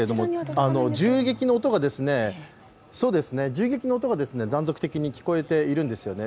銃撃の音が断続的に聞こえているんですよね。